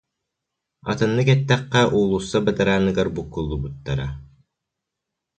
Атыннык эттэххэ уулусса бадарааныгар буккуллубуттара